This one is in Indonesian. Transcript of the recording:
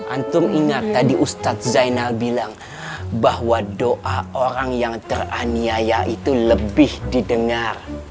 antum ingat tadi ustadz zainal bilang bahwa doa orang yang teraniaya itu lebih didengar